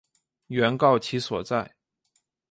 原告其所在！